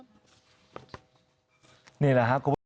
นี่แหละครับ